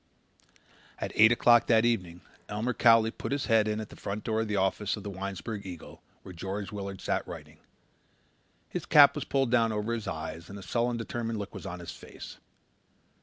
At eight o'clock that evening Elmer Cowley put his head in at the front door of the office of the Winesburg Eagle where George Willard sat writing. His cap was pulled down over his eyes and a sullen determined look was on his face.